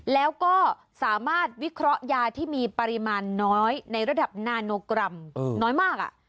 แล้วก็สามารถวิเคราะห์ยาที่มีปริมาณน้อยในระดับนาโนกรัมน้อยมาก